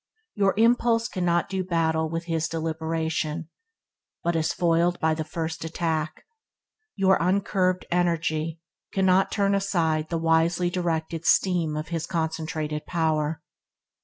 Your impulse cannot do battle with his deliberation, but is foiled at the first attack; your uncurbed energy cannot turn aside the wisely directed steam of his concentrated power.